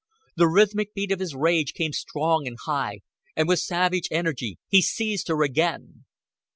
The rhythmic beat of his rage came strong and high, and with savage energy he seized her again.